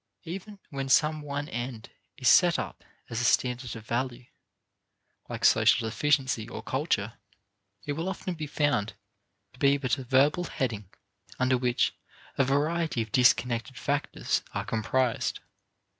Even when some one end is set up as a standard of value, like social efficiency or culture, it will often be found to be but a verbal heading under which a variety of disconnected factors are comprised.